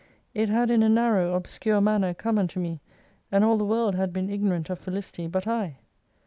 It had in a narrow, obscure manner come unto me, and all the world had been ignorant of felicity bat I.